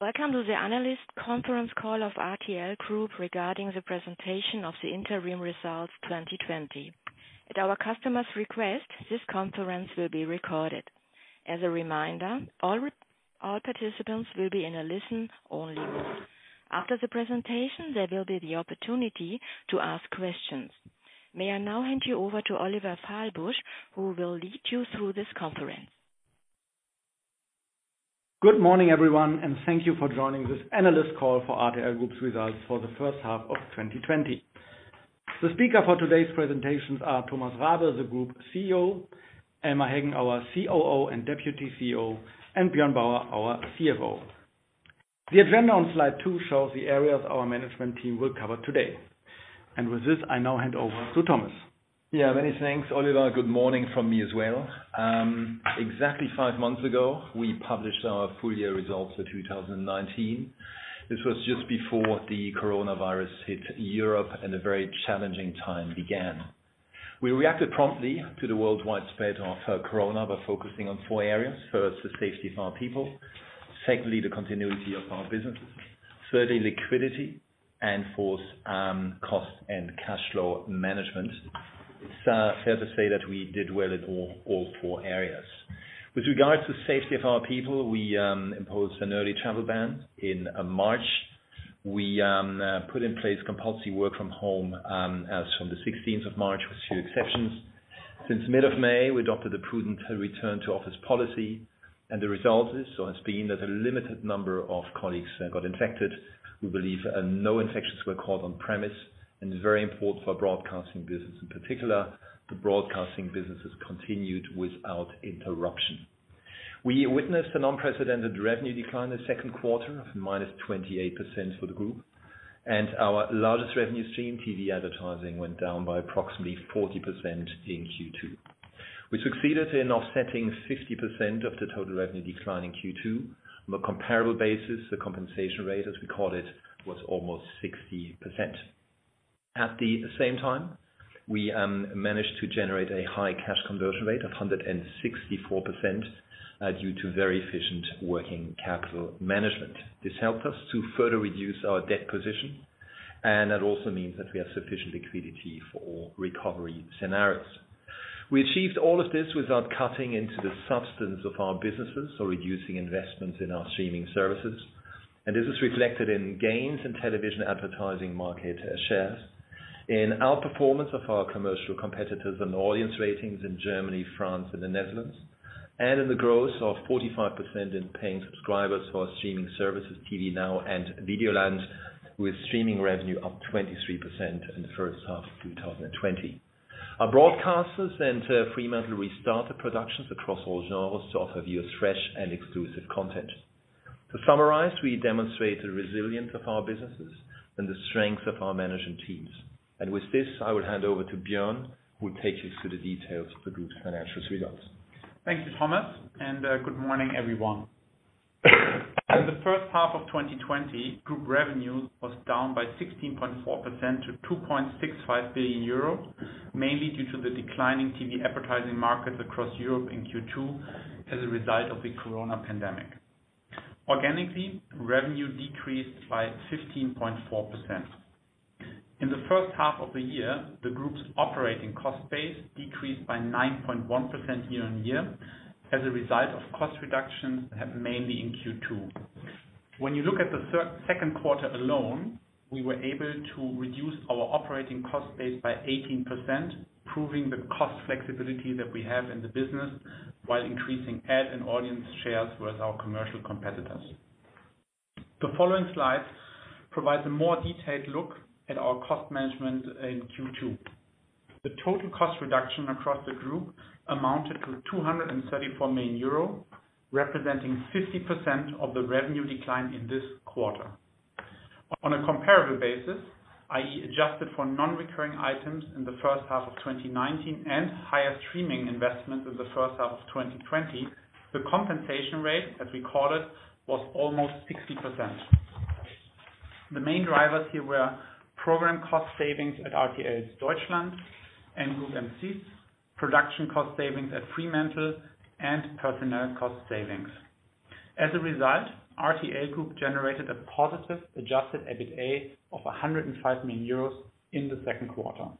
Welcome to the analyst conference call of RTL Group regarding the presentation of the interim results 2020. At our customers request, this conference will be recorded. As a reminder, all participants will be in a listen-only mode. After the presentation, there will be the opportunity to ask questions. May I now hand you over to Oliver Fahlbusch, who will lead you through this conference. Good morning, everyone, and thank you for joining this analyst call for RTL Group's results for the first half of 2020. The speaker for today's presentations are Thomas Rabe, the Group CEO, Elmar Heggen, our COO and Deputy CEO, and Björn Bauer, our CFO. The agenda on slide two shows the areas our management team will cover today. With this, I now hand over to Thomas. Yeah, many thanks, Oliver. Good morning from me as well. Exactly five months ago, we published our full year results for 2019. This was just before the coronavirus hit Europe and a very challenging time began. We reacted promptly to the worldwide spread of COVID by focusing on four areas. First, the safety of our people. Secondly, the continuity of our business. Thirdly, liquidity, and fourth, cost and cash flow management. It's fair to say that we did well in all four areas. With regards to safety of our people, we imposed an early travel ban in March. We put in place compulsory work from home, as from the 16th of March, with few exceptions. Since mid of May, we adopted a prudent return-to-office policy, and the result is, or has been, that a limited number of colleagues got infected. We believe no infections were caught on premise. It's very important for our broadcasting business. In particular, the broadcasting business has continued without interruption. We witnessed an unprecedented revenue decline in the Q2 of -28% for the group. Our largest revenue stream, TV advertising, went down by approximately 40% in Q2. We succeeded in offsetting 60% of the total revenue decline in Q2. On a comparable basis, the compensation rate, as we call it, was almost 60%. At the same time, we managed to generate a high cash conversion rate of 164%, due to very efficient working capital management. This helped us to further reduce our debt position. That also means that we have sufficient liquidity for all recovery scenarios. We achieved all of this without cutting into the substance of our businesses or reducing investments in our streaming services. This is reflected in gains in television advertising market shares, in outperformance of our commercial competitors and audience ratings in Germany, France, and the Netherlands, and in the growth of 45% in paying subscribers for our streaming services, TVNOW and Videoland, with streaming revenue up 23% in the H1 of 2020. Our broadcasters and Fremantle restarted productions across all genres to offer viewers fresh and exclusive content. To summarize, we demonstrated resilience of our businesses and the strength of our management teams. With this, I will hand over to Björn, who will take you through the details of the group's financial results. Thank you, Thomas, and good morning, everyone. In the first half of 2020, group revenue was down by 16.4% to 2.65 billion euro, mainly due to the declining TV advertising market across Europe in Q2 as a result of the corona pandemic. Organically, revenue decreased by 15.4%. In the H1 of the year, the group's operating cost base decreased by 9.1% year-on-year as a result of cost reductions made mainly in Q2. When you look at the Q2 alone, we were able to reduce our operating cost base by 18%, proving the cost flexibility that we have in the business, while increasing ad and audience shares with our commercial competitors. The following slides provide a more detailed look at our cost management in Q2. The total cost reduction across the group amounted to 234 million euro, representing 50% of the revenue decline in this quarter. On a comparable basis, i.e., adjusted for non-recurring items in the first half of 2019 and higher streaming investments in the first half of 2020, the compensation rate, as we call it, was almost 60%. The main drivers here were program cost savings at RTL Deutschland and Groupe M6, production cost savings at Fremantle, and personnel cost savings. As a result, RTL Group generated a positive adjusted EBITDA of 105 million euros in the Q2.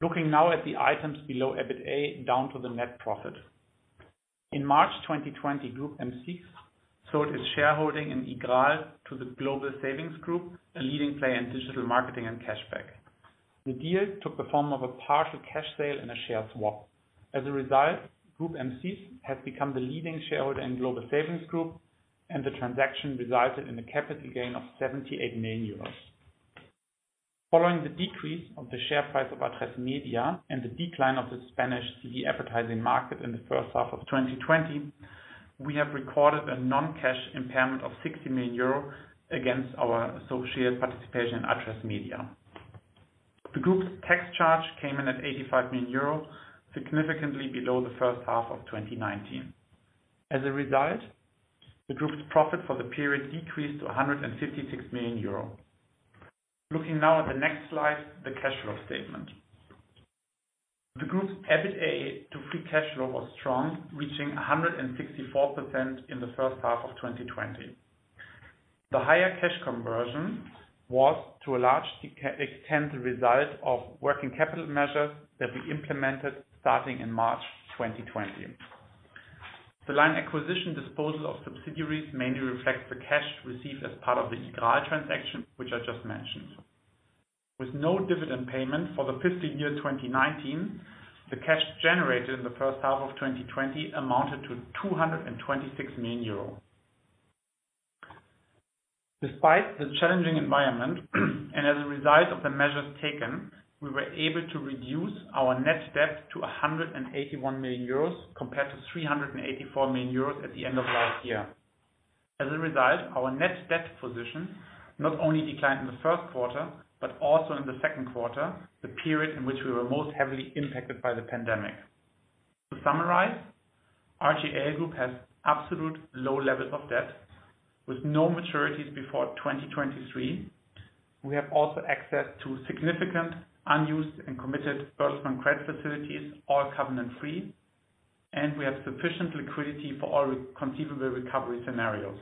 Looking now at the items below EBITDA, down to the net profit. In March 2020, Groupe M6 sold its shareholding in iGraal to the Global Savings Group, a leading player in digital marketing and cashback. The deal took the form of a partial cash sale and a share swap. As a result, Groupe M6 has become the leading shareholder in Global Savings Group, and the transaction resulted in a capital gain of 78 million euros. Following the decrease of the share price of Atresmedia and the decline of the Spanish TV advertising market in the first half of 2020, we have recorded a non-cash impairment of 60 million euro against our associated participation in Atresmedia. The group's tax charge came in at 85 million euro, significantly below the first half of 2019. As a result, the group's profit for the period decreased to 156 million euro. Looking now at the next slide, the cash flow statement. The group's EBITA to free cash flow was strong, reaching 164% in the first half of 2020. The higher cash conversion was to a large extent the result of working capital measures that we implemented starting in March 2020. The line acquisition disposal of subsidiaries mainly reflects the cash received as part of the iGraal transaction, which I just mentioned. With no dividend payment for the fiscal year 2019, the cash generated in the first half of 2020 amounted to 226 million euros. As a result of the measures taken, we were able to reduce our net debt to 181 million euros, compared to 384 million euros at the end of last year. As a result, our net debt position not only declined in the Q1, but also in the Q2, the period in which we were most heavily impacted by the pandemic. To summarize, RTL Group has absolute low levels of debt with no maturities before 2023. We have also access to significant unused and committed cash and credit facilities, all covenant-free, and we have sufficient liquidity for all conceivable recovery scenarios.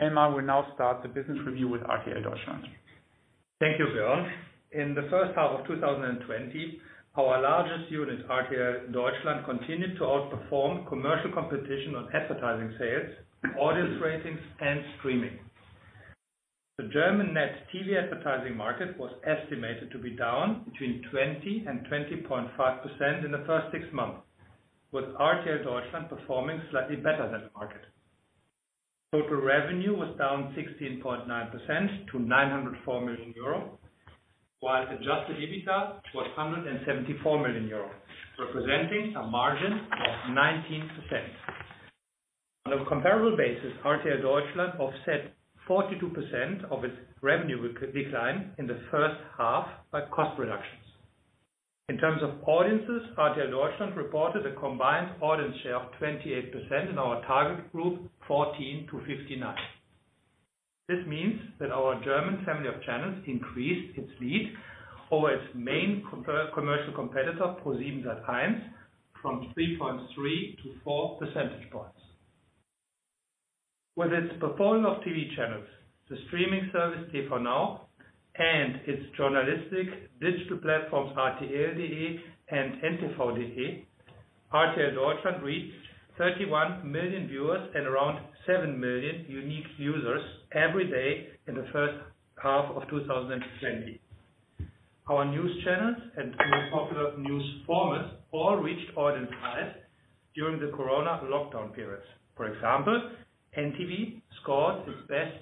Elmar will now start the business review with RTL Deutschland. Thank you, Björn. In the first half of 2020, our largest unit, RTL Deutschland, continued to outperform commercial competition on advertising sales, audience ratings, and streaming. The German net TV advertising market was estimated to be down between 20% and 20.5% in the first six months, with RTL Deutschland performing slightly better than the market. Total revenue was down 16.9% to 904 million euro, while adjusted EBITDA was 174 million euro, representing a margin of 19%. On a comparable basis, RTL Deutschland offset 42% of its revenue decline in the first half by cost reductions. In terms of audiences, RTL Deutschland reported a combined audience share of 28% in our target group 14-59. This means that our German family of channels increased its lead over its main commercial competitor, ProSiebenSat.1, from 3.3-4 percentage points. With its portfolio of TV channels, the streaming service TVNOW, and its journalistic digital platforms, rtl.de and n-tv.de, RTL Deutschland reached 31 million viewers and around seven million unique users every day in the first half of 2020. Our news channels and most popular news formats all reached audience highs during the corona lockdown periods. For example, n-tv scored its best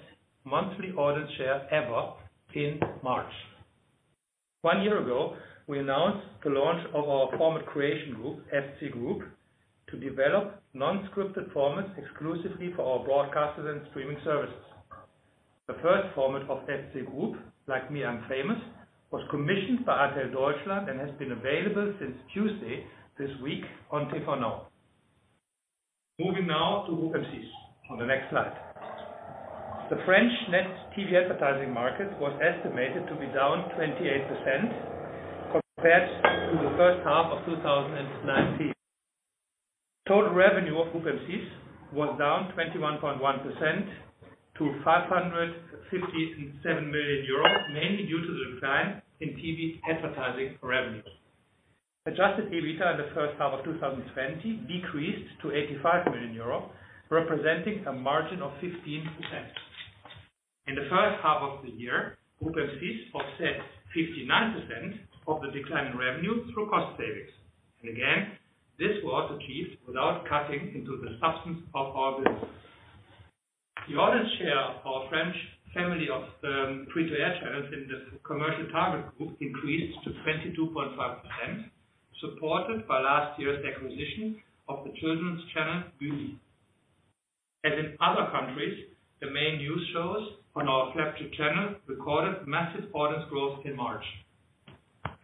monthly audience share ever in March. One year ago, we announced the launch of our Format Creation Group, FC Group, to develop non-scripted formats exclusively for our broadcasters and streaming services. The first format of FC Group, Like Me, I'm Famous, was commissioned by RTL Deutschland and has been available since Tuesday this week on TVNOW. Moving now to Groupe M6 on the next slide. The French net TV advertising market was estimated to be down 28% compared to the first half of 2019. Total revenue of Groupe M6 was down 21.1% to 557 million euros, mainly due to the decline in TV advertising revenue. Adjusted EBITDA in the first half of 2020 decreased to 85 million euro, representing a margin of 15%. In the first half of the year, Groupe M6 offset 59% of the decline in revenue through cost savings. Again, this was achieved without cutting into the substance of our business. The audience share of our French family of free to air channels in the commercial target group increased to 22.5%, supported by last year's acquisition of the children's channel Gulli. As in other countries, the main news shows on our flagship channel M6 recorded massive audience growth in March.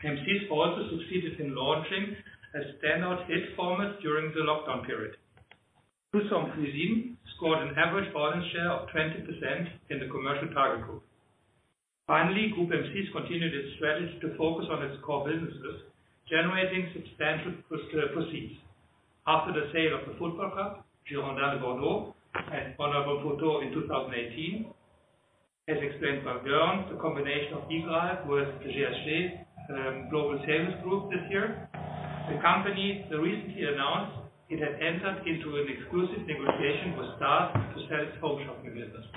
M6 also succeeded in launching a standout hit format during the lockdown period. "Plusieurs Familles" scored an average audience share of 20% in the commercial target group. Finally, Groupe M6 continued its strategy to focus on its core businesses, generating substantial proceeds. After the sale of the football club, Girondins de Bordeaux, and MonAlbumPhoto in 2018. As explained by Björn, the combination of iGraal with GSG, Global Savings Group this year. The company recently announced it had entered into an exclusive negotiation with Stars to sell its home shopping business.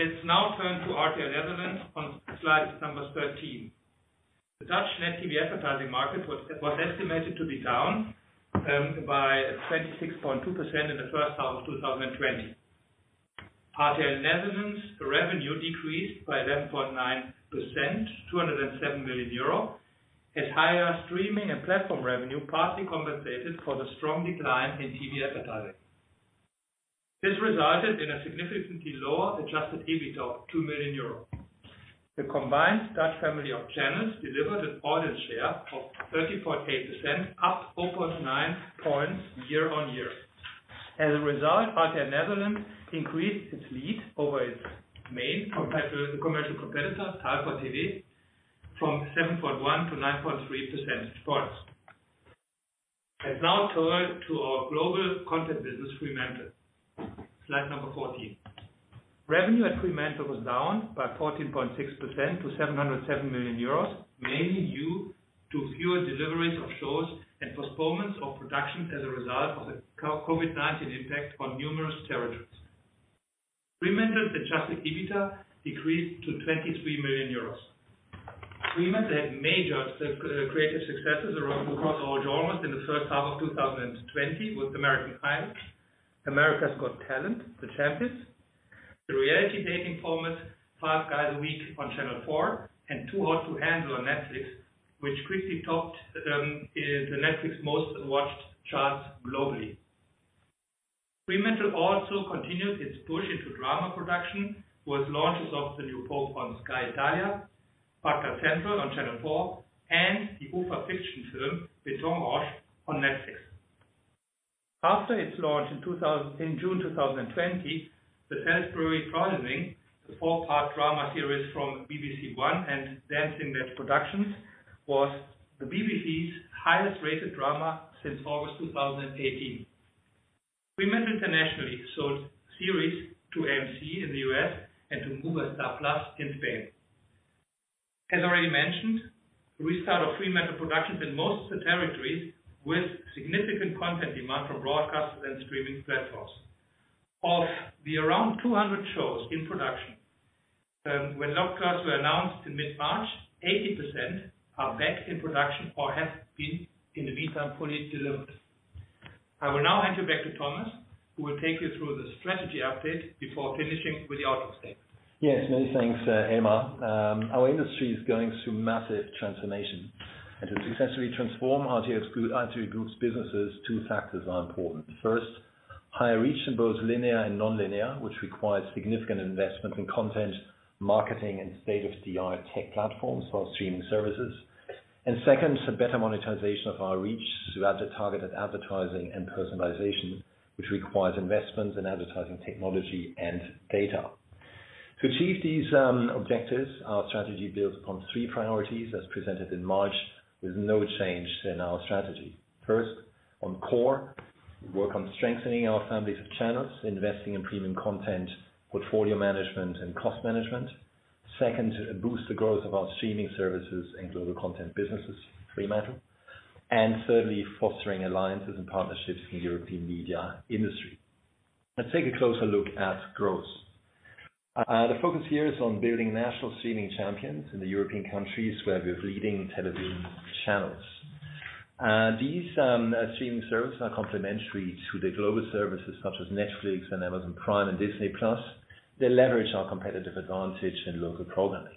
Let's now turn to RTL Nederland on slide numbers 13. The Dutch net TV advertising market was estimated to be down by 26.2% in the H1 of 2020. RTL Nederland revenue decreased by 11.9%, 207 million euro, as higher streaming and platform revenue partly compensated for the strong decline in TV advertising. This resulted in a significantly lower adjusted EBITDA of 2 million euros. The combined Dutch family of channels delivered an audience share of 34.8%, up 0.9 points year-on-year. As a result, RTL Nederland increased its lead over its main commercial competitor, Talpa TV, from 7.1%-9.3% share. Let's now turn to our global content business, Fremantle. Slide number 14. Revenue at Fremantle was down by 14.6% to 707 million euros, mainly due to fewer deliveries of shows and postponements of production as a result of the COVID-19 impact on numerous territories. Fremantle's adjusted EBITDA decreased to 23 million euros. Fremantle had major creative successes across all genres in the first half of 2020 with "American Idol," "America's Got Talent," "The Champions," the reality dating format, "Five Guys a Week" on Channel 4, and "Too Hot to Handle" on Netflix, which quickly topped the Netflix most-watched charts globally. Fremantle also continued its push into drama production with launches of "The New Pope" on Sky Italia, "Father Ted" on Channel 4, and the UFA Fiction film, "Betonrausch," on Netflix. After its launch in June 2020, "The Salisbury Poisonings," the four-part drama series from BBC One and Dancing Ledge Productions, was the BBC's highest-rated drama since August 2018. Fremantle internationally sold series to AMC in the U.S. and to Movistar Plus+ in Spain. As already mentioned, restart of Fremantle productions in most territories with significant content demand from broadcasters and streaming platforms. Of the around 200 shows in production, when lockdowns were announced in mid-March, 80% are back in production or have been, in the meantime, fully delivered. I will now hand you back to Thomas, who will take you through the strategy update before finishing with the outlook statement. Yes, many thanks, Elmar. Our industry is going through massive transformation. To successfully transform RTL Group's businesses, two factors are important. First, higher reach in both linear and non-linear, Which requires significant investment in content, marketing, and state-of-the-art tech platforms for our streaming services. Second, better monetization of our reach through advert-targeted advertising and personalization, which requires investment in advertising technology and data. To achieve these objectives, our strategy builds upon three priorities as presented in March, with no change in our strategy. First, on core, we work on strengthening our families of channels, investing in premium content, portfolio management, and cost management. Second, boost the growth of our streaming services and global content businesses, Fremantle. Thirdly, fostering alliances and partnerships in the European media industry. Let's take a closer look at growth. The focus here is on building national streaming champions in the European countries where we have leading television channels. These streaming services are complementary to the global services such as Netflix and Amazon Prime and Disney+. They leverage our competitive advantage in local programming.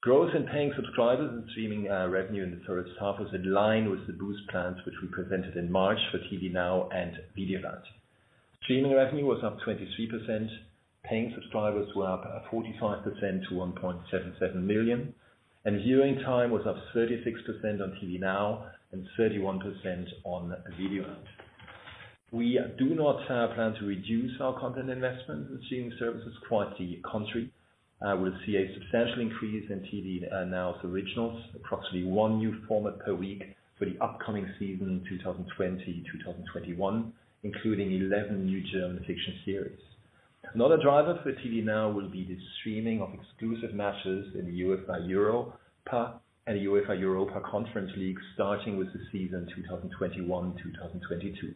Growth in paying subscribers and streaming revenue in the first half was in line with the boost plans, which we presented in March for TVNOW and Videoland. Streaming revenue was up 23%. Paying subscribers were up 45% to 1.77 million, and viewing time was up 36% on TVNOW and 31% on Videoland. We do not plan to reduce our content investment in streaming services. Quite the contrary. We'll see a substantial increase in TVNOW's originals, approximately one new format per week for the upcoming season in 2020-2021, including 11 new German fiction series. Another driver for TVNOW will be the streaming of exclusive matches in the UEFA Europa and the UEFA Europa Conference League, starting with the season 2021-2022.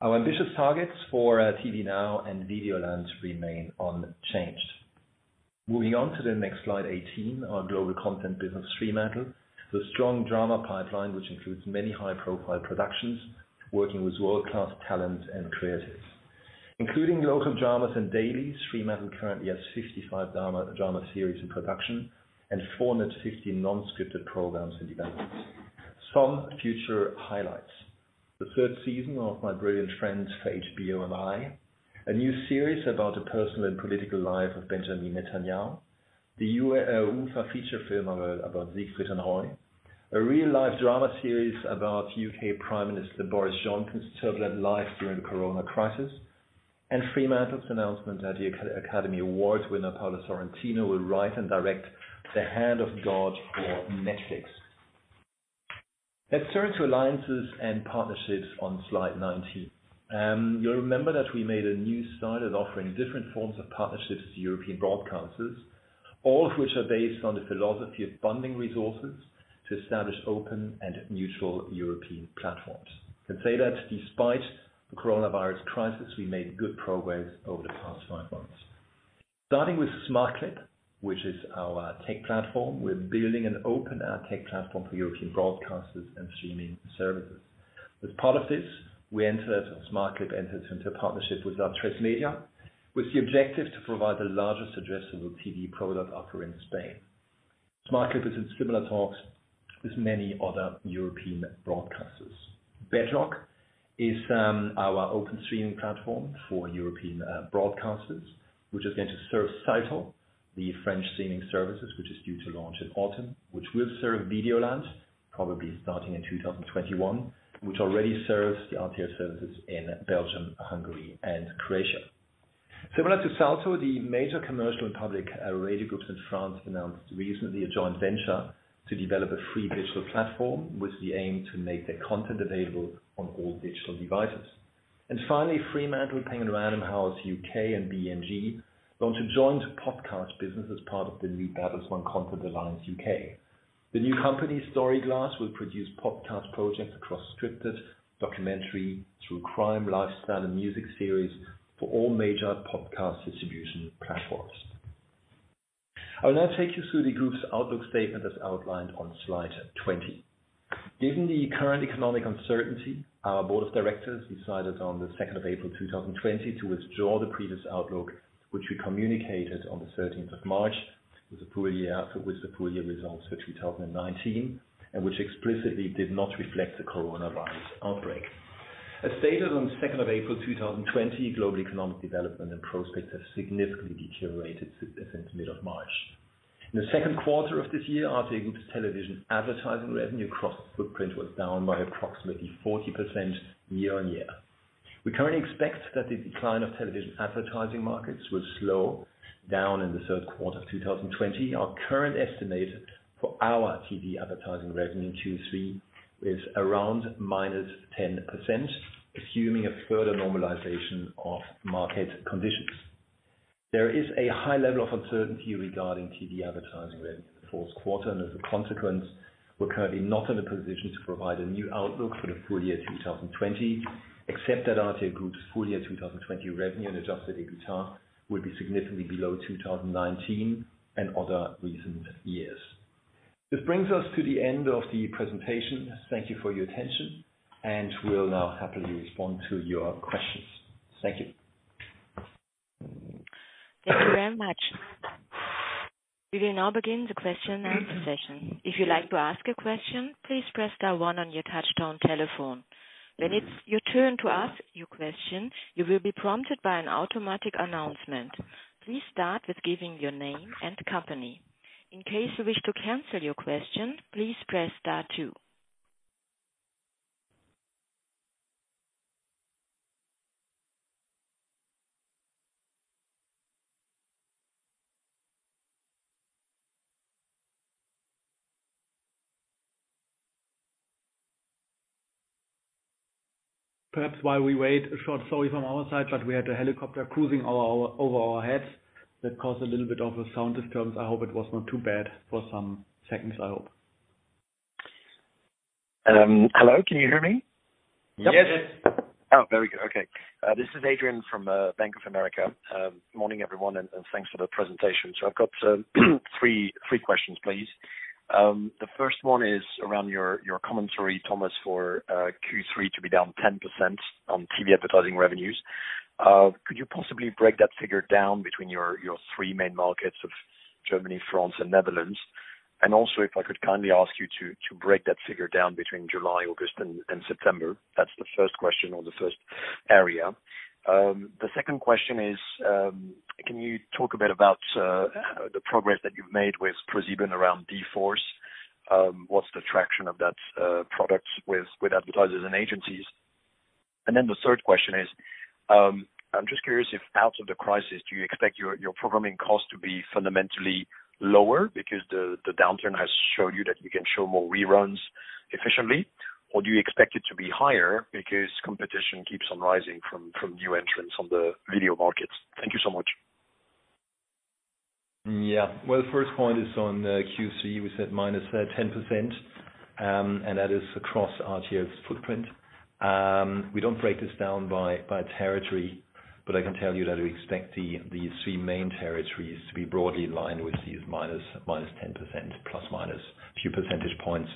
Our ambitious targets for TVNOW and Videoland remain unchanged. Moving on to the next slide 18, our global content business, Fremantle. The strong drama pipeline, which includes many high-profile productions, working with world-class talent and creatives. Including local dramas and dailies, Fremantle currently has 55 drama series in production and 450 non-scripted programs in development. Some future highlights. The third season of "My Brilliant Friend" for HBO and HBO. A new series about the personal and political life of Benjamin Netanyahu. The UFA feature film about Siegfried & Roy. A real-life drama series about U.K. Prime Minister Boris Johnson's turbulent life during the corona crisis. Fremantle's announcement that the Academy Award winner, Paolo Sorrentino, will write and direct "The Hand of God" for Netflix. Let's turn to alliances and partnerships on slide 19. You'll remember that we made a new start at offering different forms of partnerships to European broadcasters, all of which are based on the philosophy of bundling resources to establish open and neutral European platforms. I can say that despite the coronavirus crisis, we made good progress over the past five months. Starting with Smartclip, which is our tech platform, we're building an open tech platform for European broadcasters and streaming services. As part of this, Smartclip entered into a partnership with Atresmedia, with the objective to provide the largest addressable TV product offer in Spain. Smartclip is in similar talks with many other European broadcasters. Bedrock is our open streaming platform for European broadcasters, which is going to serve Salto, the French streaming service, which is due to launch in autumn, which will serve Videoland, probably starting in 2021, which already serves the RTL services in Belgium, Hungary, and Croatia. Similar to Salto, the major commercial and public radio groups in France announced recently a joint venture to develop a free digital platform with the aim to make their content available on all digital devices. Finally, Fremantle, Penguin Random House UK, and BMG launched a joint podcast business as part of the new Bertelsmann Content Alliance UK. The new company, Storyglass, will produce podcast projects across scripted, documentary, true crime, lifestyle, and music series for all major podcast distribution platforms. I will now take you through the group's outlook statement as outlined on slide 20. Given the current economic uncertainty, our board of directors decided on the 2nd of April 2020 to withdraw the previous outlook, which we communicated on the 13th of March with the full year results for 2019, and which explicitly did not reflect the coronavirus outbreak. As stated on the 2nd of April 2020, global economic development and prospects have significantly deteriorated since mid of March. In the Q2 of this year, RTL Group's television advertising revenue across the footprint was down by approximately 40% year-on-year. We currently expect that the decline of television advertising markets will slow down in the Q3 of 2020. Our current estimate for our TV advertising revenue in Q3 is around -10%, assuming a further normalization of market conditions. There is a high level of uncertainty regarding TV advertising revenue in the Q4. As a consequence, we're currently not in a position to provide a new outlook for the full year 2020, except that RTL Group's full year 2020 revenue and adjusted EBITA will be significantly below 2019 and other recent years. This brings us to the end of the presentation. Thank you for your attention. We'll now happily respond to your questions. Thank you. Thank you very much. We will now begin the question and answer session. If you'd like to ask a question, please press star one on your touchtone telephone. When it's your turn to ask your question, you will be prompted by an automatic announcement. Please start with giving your name and company. In case you wish to cancel your question, please press star two. Perhaps while we wait, a short sorry from our side, but we had a helicopter cruising over our heads that caused a little bit of a sound disturbance. I hope it was not too bad for some seconds, I hope. Hello, can you hear me? Yes. Oh, very good. Okay. This is Adrian de Saint Hilaire from Bank of America. Morning, everyone, and thanks for the presentation. I've got three questions, please. The first one is around your commentary, Thomas, for Q3 to be down 10% on TV advertising revenues. Could you possibly break that figure down between your three main markets of Germany, France, and Netherlands? Also, if I could kindly ask you to break that figure down between July, August, and September. That's the first question or the first area. The second question is, can you talk a bit about the progress that you've made with ProSieben around d-force? What's the traction of that product with advertisers and agencies? The third question is, I'm just curious if out of the crisis, do you expect your programming cost to be fundamentally lower because the downturn has shown you that you can show more reruns efficiently? Do you expect it to be higher because competition keeps on rising from new entrants on the video markets? Thank you so much. Yeah. The first point is on Q3. We said -10%, and that is across RTL's footprint. We don't break this down by territory, but I can tell you that we expect the three main territories to be broadly in line with the -10%, plus minus a few percentage points.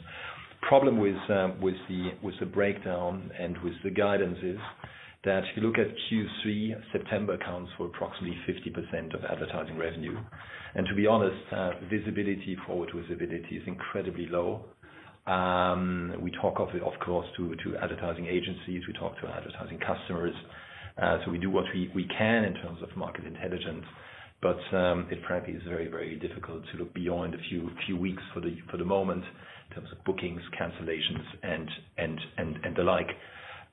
Problem with the breakdown and with the guidance is that if you look at Q3, September accounts for approximately 50% of advertising revenue. To be honest, visibility forward visibility is incredibly low. We talk, of course, to advertising agencies. We talk to advertising customers. We do what we can in terms of market intelligence, but it frankly is very, very difficult to look beyond a few weeks for the moment in terms of bookings, cancellations, and the like.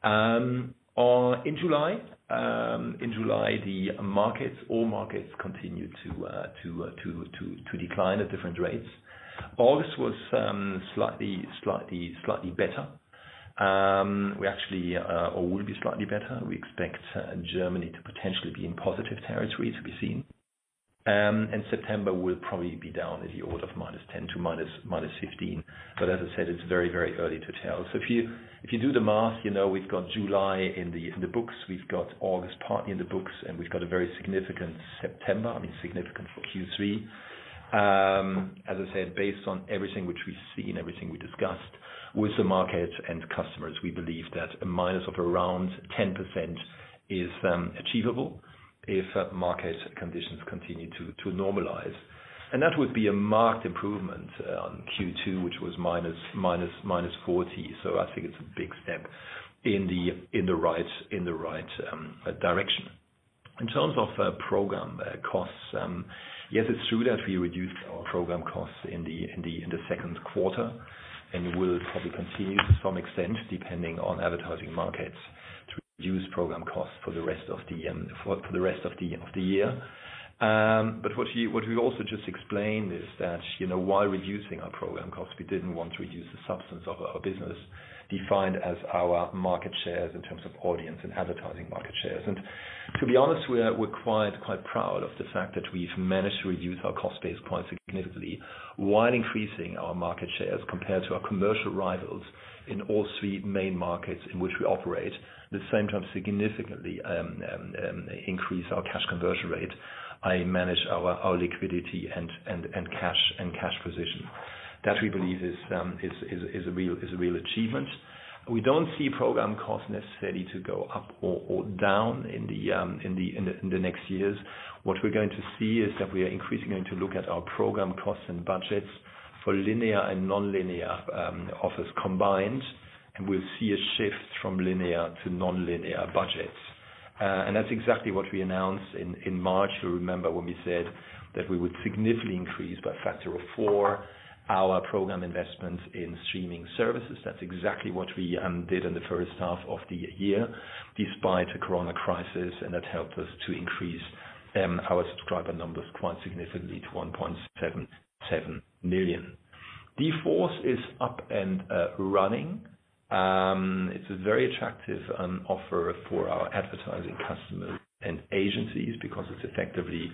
In July, all markets continued to decline at different rates. August was slightly better. We will be slightly better. We expect Germany to potentially be in positive territory, to be seen. September will probably be down in the order of -10% to -15%. As I said, it's very early to tell. If you do the math, you know we've got July in the books, we've got August partly in the books, and we've got a very significant September, significant for Q3. As I said, based on everything which we see and everything we discussed with the market and customers, we believe that a minus of around 10% is achievable if market conditions continue to normalize. That would be a marked improvement on Q2, which was -40%. I think it's a big step in the right direction. In terms of program costs, yes, it's true that we reduced our program costs in the Q2, and we will probably continue to some extent, depending on advertising markets, to reduce program costs for the rest of the year. What we also just explained is that, while reducing our program costs, we didn't want to reduce the substance of our business, defined as our market shares in terms of audience and advertising market shares. To be honest, we're quite proud of the fact that we've managed to reduce our cost base quite significantly while increasing our market shares compared to our commercial rivals in all three main markets in which we operate, at the same time significantly increase our cash conversion rate and manage our liquidity and cash position. That, we believe, is a real achievement. We don't see program costs necessarily to go up or down in the next years. What we're going to see is that we are increasingly going to look at our program costs and budgets for linear and non-linear offers combined, and we'll see a shift from linear to non-linear budgets. That's exactly what we announced in March. You'll remember when we said that we would significantly increase, by a factor of four, our program investments in streaming services. That's exactly what we did in the first half of the year, despite the corona crisis, and that helped us to increase our subscriber numbers quite significantly to 1.77 million. d-force is up and running. It's a very attractive offer for our advertising customers and agencies because it's effectively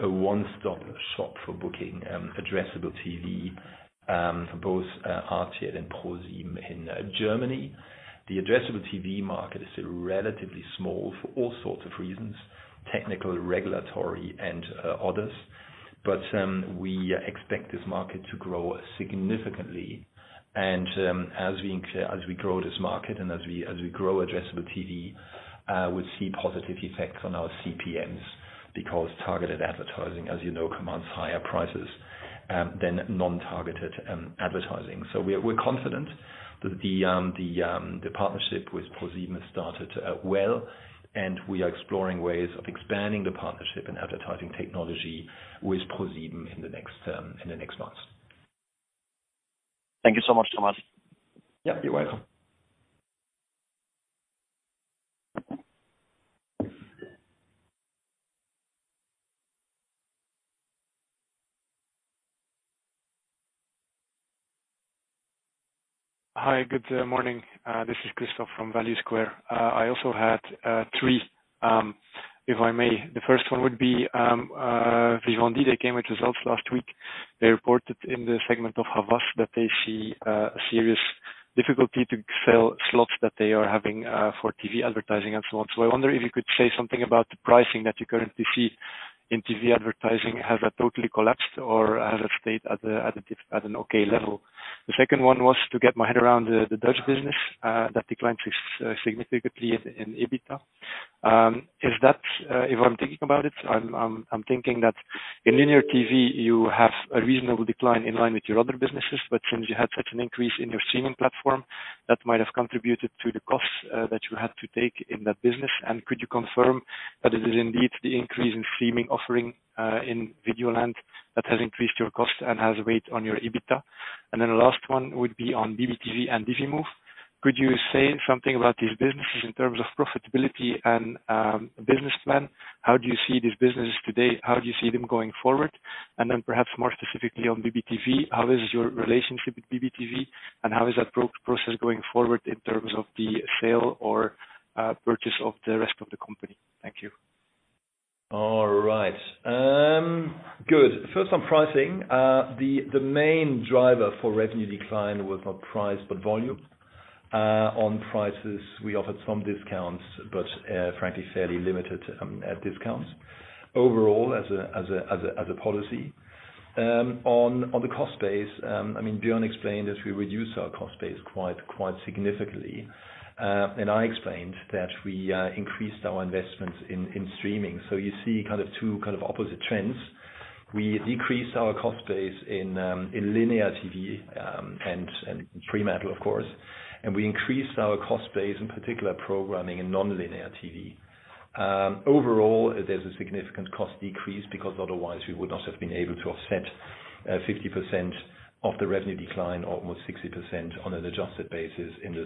a one-stop shop for booking addressable TV for both RTL and ProSieben in Germany. The addressable TV market is still relatively small for all sorts of reasons, technical, regulatory and others. We expect this market to grow significantly. As we grow this market and as we grow addressable TV, we'll see positive effects on our CPMs because targeted advertising, as you know, commands higher prices than non-targeted advertising. We're confident that the partnership with ProSieben has started well, and we are exploring ways of expanding the partnership and advertising technology with ProSieben in the next months. Thank you so much, Thomas. Yeah. You're welcome. Hi, good morning. This is Christophe Cherblanc from Société Générale. I also had three, if I may. The first one would be, Vivendi, they came with results last week. They reported in the segment of Havas that they see a serious difficulty to sell slots that they are having for TV advertising and so on. I wonder if you could say something about the pricing that you currently see in TV advertising. Has that totally collapsed or has it stayed at an okay level? The second one was to get my head around the Dutch business that declined significantly in EBITDA. If I'm thinking about it, I'm thinking that in linear TV, you have a reasonable decline in line with your other businesses, but since you had such an increase in your streaming platform, that might have contributed to the costs that you had to take in that business. Could you confirm that it is indeed the increase in streaming offering in Videoland that has increased your cost and has weighed on your EBITDA? The last one would be on BBTV and Divimove. Could you say something about these businesses in terms of profitability and business plan? How do you see these businesses today? How do you see them going forward? Perhaps more specifically on BBTV, how is your relationship with BBTV and how is that process going forward in terms of the sale or purchase of the rest of the company? Thank you. All right. Good. First on pricing. The main driver for revenue decline was not price, but volume. On prices, we offered some discounts, but frankly, fairly limited discounts overall as a policy. On the cost base, Björn explained that we reduced our cost base quite significantly. I explained that we increased our investments in streaming. You see two opposite trends. We decreased our cost base in linear TV and Fremantle, of course, and we increased our cost base, in particular, programming in non-linear TV. Overall, there's a significant cost decrease because otherwise we would not have been able to offset 50% of the revenue decline or almost 60% on an adjusted basis in the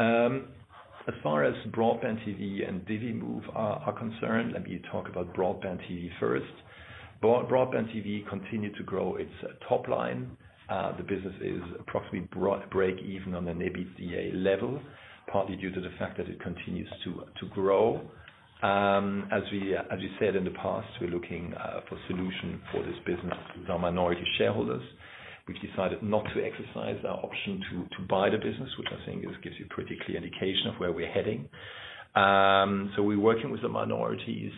Q2. As far as BroadbandTV and Divimove are concerned, let me talk about BroadbandTV first. BroadbandTV continued to grow its top line. The business is approximately break even on an EBITDA level, partly due to the fact that it continues to grow. As we said in the past, we're looking for solution for this business with our minority shareholders. We've decided not to exercise our option to buy the business, which I think gives you a pretty clear indication of where we're heading. We're working with the minorities.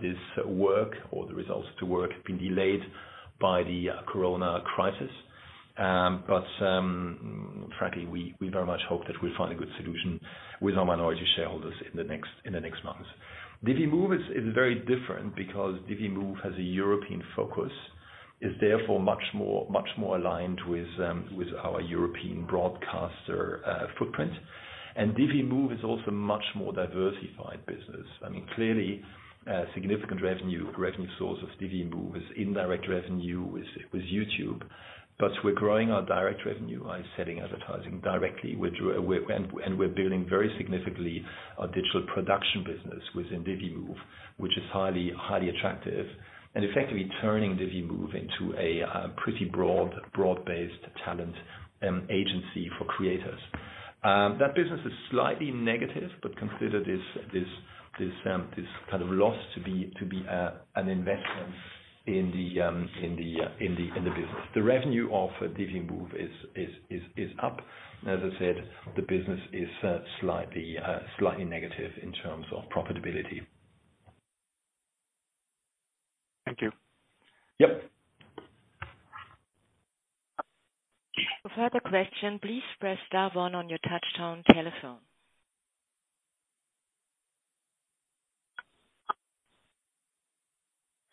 This work or the results to work have been delayed by the corona crisis. Frankly, we very much hope that we'll find a good solution with our minority shareholders in the next months. Divimove is very different because Divimove has a European focus, is therefore much more aligned with our European broadcaster footprint. Divimove is also much more diversified business. Clearly, a significant revenue source of Divimove is indirect revenue with YouTube. We're growing our direct revenue by selling advertising directly, and we're building very significantly our digital production business within Divimove, which is highly attractive and effectively turning Divimove into a pretty broad-based talent agency for creators. That business is slightly negative, consider this kind of loss to be an investment in the business. The revenue of Divimove is up, and as I said, the business is slightly negative in terms of profitability. Thank you. Yep. Further question, please press star one on your touchtone telephone.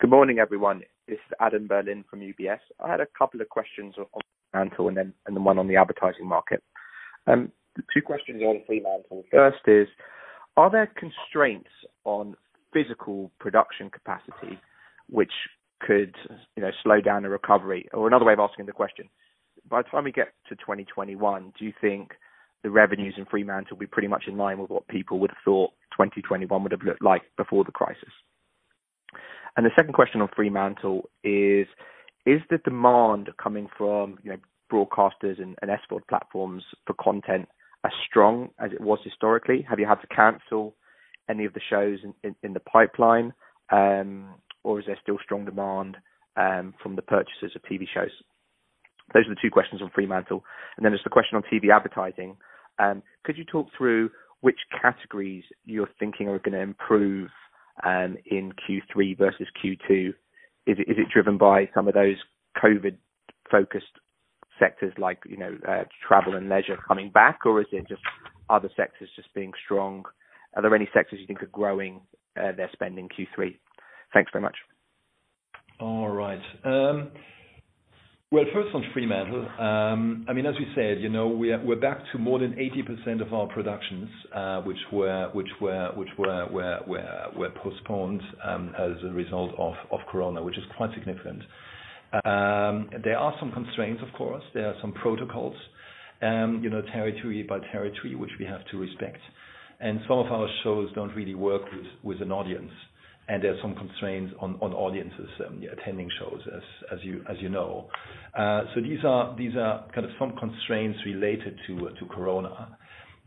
Good morning, everyone. This is Adam Berlin from UBS. I had a couple of questions on Fremantle and then one on the advertising market. Two questions on Fremantle. First is, are there constraints on physical production capacity which could slow down the recovery? Or another way of asking the question, by the time we get to 2021, do you think the revenues in Fremantle will be pretty much in line with what people would have thought 2021 would have looked like before the crisis? The second question on Fremantle is the demand coming from broadcasters and SVOD platforms for content as strong as it was historically? Have you had to cancel any of the shows in the pipeline, or is there still strong demand from the purchasers of TV shows? Those are the two questions on Fremantle, then there's the question on TV advertising. Could you talk through which categories you're thinking are going to improve in Q3 versus Q2? Is it driven by some of those COVID-focused sectors like travel and leisure coming back, or is it just other sectors just being strong? Are there any sectors you think are growing their spend in Q3? Thanks very much. All right. Well, first on Fremantle. As we said, we're back to more than 80% of our productions, which were postponed as a result of Corona, which is quite significant. There are some constraints, of course, there are some protocols, territory by territory, which we have to respect. Some of our shows don't really work with an audience, and there are some constraints on audiences attending shows, as you know. These are some constraints related to Corona.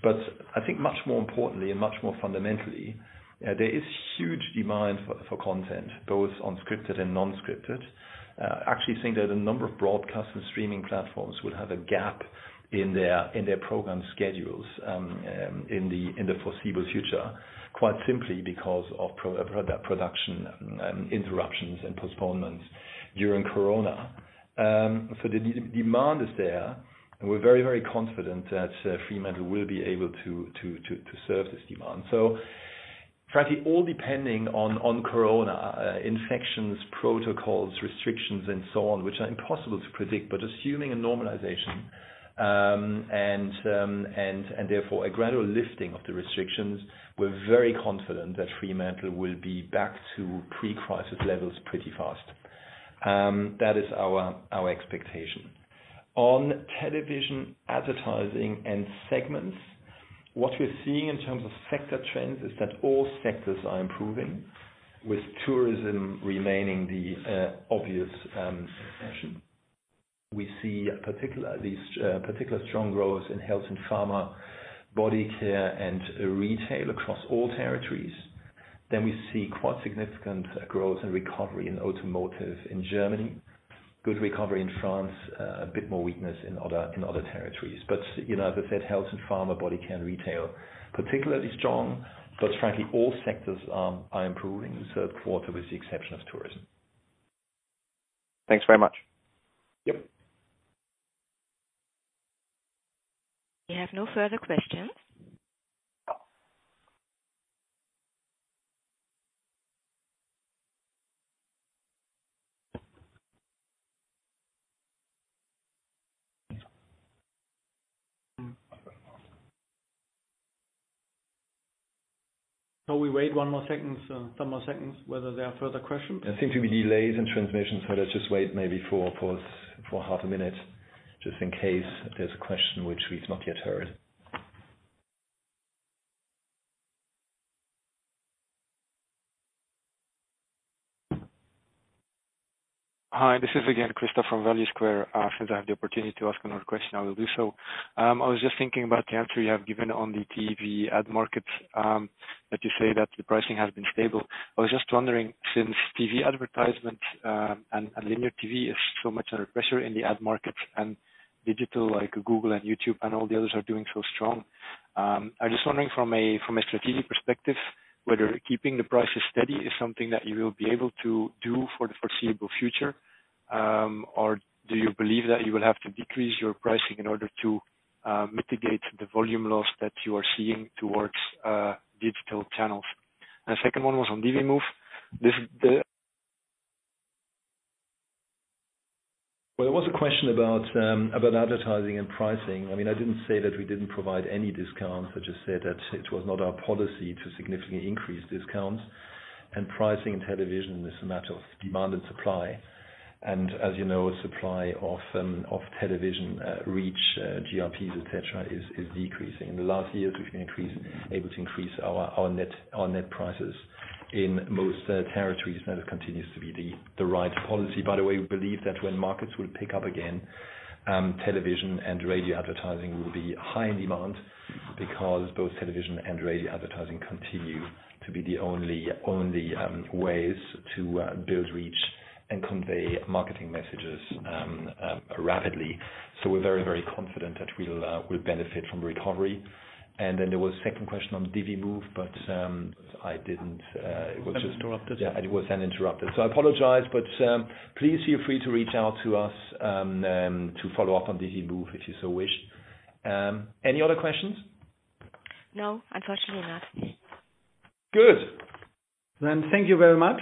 I think much more importantly, and much more fundamentally, there is huge demand for content, both on scripted and non-scripted. I actually think that a number of broadcast and streaming platforms will have a gap in their program schedules in the foreseeable future, quite simply because of production interruptions and postponements during Corona. The demand is there, and we're very confident that Fremantle will be able to serve this demand. Frankly, all depending on COVID infections, protocols, restrictions, and so on, which are impossible to predict. Assuming a normalization, and therefore a gradual lifting of the restrictions, we're very confident that Fremantle will be back to pre-crisis levels pretty fast. That is our expectation. On television advertising and segments, what we're seeing in terms of sector trends is that all sectors are improving, with tourism remaining the obvious exception. We see these particular strong growth in health and pharma, body care, and retail across all territories. We see quite significant growth and recovery in automotive in Germany, good recovery in France, a bit more weakness in other territories. As I said, health and pharma, body care, and retail, particularly strong, but frankly, all sectors are improving this Q3 with the exception of tourism. Thanks very much. Yep. We have no further questions. Shall we wait one more second, some more seconds, whether there are further questions? I think there'll be delays in transmission, so let's just wait maybe for half a minute, just in case there's a question which we've not yet heard. Hi, this is again Christophe from Société Générale. Since I have the opportunity to ask another question, I will do so. I was just thinking about the answer you have given on the TV ad market, that you say that the pricing has been stable. I was just wondering, since TV advertisement and linear TV is so much under pressure in the ad market and digital, Like Google and YouTube and all the others, are doing so strong, I'm just wondering from a strategic perspective, whether keeping the prices steady is something that you will be able to do for the foreseeable future, or do you believe that you will have to decrease your pricing in order to mitigate the volume loss that you are seeing towards digital channels? The second one was on Divimove. Well, there was a question about advertising and pricing. I didn't say that we didn't provide any discounts. I just said that it was not our policy to significantly increase discounts. Pricing in television is a matter of demand and supply. As you know, supply of television reach, GRPs, et cetera, is decreasing. In the last years, we've been able to increase our net prices in most territories, and it continues to be the right policy. By the way, we believe that when markets will pick up again, television and radio advertising will be high in demand because both television and radio advertising continue to be the only ways to build reach and convey marketing messages rapidly. We're very confident that we'll benefit from recovery. There was a second question on Divimove. It was interrupted. It was then interrupted. I apologize, but please feel free to reach out to us to follow up on Divimove if you so wish. Any other questions? No, unfortunately not. Good. Thank you very much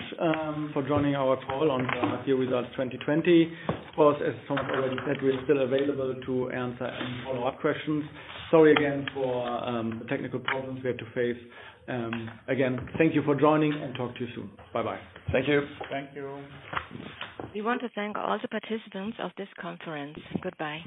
for joining our call on the half year results 2020. Of course, as Thomas already said, we're still available to answer any follow-up questions. Sorry again for the technical problems we had to face. Thank you for joining, talk to you soon. Bye-bye. Thank you. Thank you. We want to thank all the participants of this conference. Goodbye.